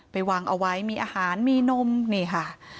วางเอาไว้มีอาหารมีนมนี่ค่ะ